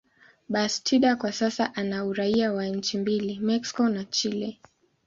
Bastida kwa sasa ana uraia wa nchi mbili, Mexico na Chile.